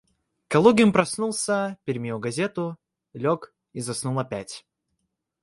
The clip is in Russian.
Калугин проснулся, переменил газету, лег и заснул опять.